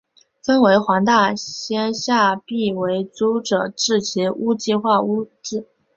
分为黄大仙下邨为租者置其屋计划屋邨。